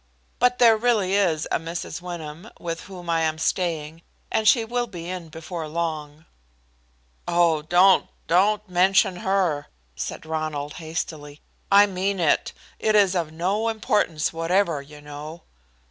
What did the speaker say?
But there really is a Mrs. Wyndham, with whom I am staying, and she will be in before long." "Oh don't don't mention her," said Ronald, hastily, "I mean it it is of no importance whatever, you know."